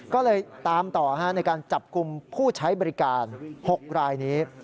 ก็เลยตามต่อในการจับกลุ่มผู้ใช้บริการ๖รายนี้